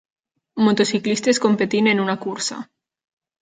Motociclistes competint en una cursa.